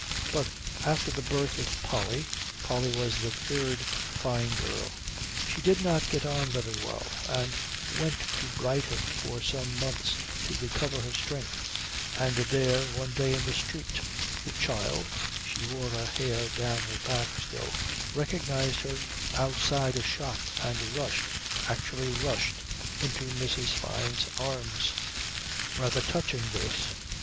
But after the birth of Polly (Polly was the third Fyne girl) she did not get on very well, and went to Brighton for some months to recover her strength and there, one day in the street, the child (she wore her hair down her back still) recognized her outside a shop and rushed, actually rushed, into Mrs. Fyne's arms. Rather touching this.